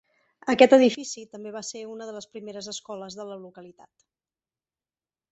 Aquest edifici també va ser una de les primeres escoles de la localitat.